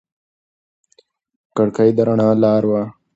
کړکۍ د رڼا لاره وه.